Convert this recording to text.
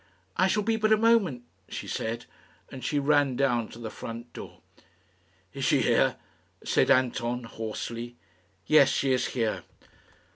"I shall be but a moment," she said, and she ran down to the front door. "Is she here?" said Anton, hoarsely. "Yes, she is here."